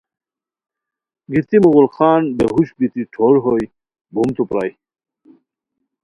گیتی مغل خان بے ہوݰ بیتی ٹھورہوئے، بومتو پرائے